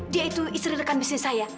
dia itu istri rekan bisnis saya